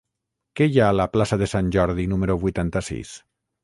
Què hi ha a la plaça de Sant Jordi número vuitanta-sis?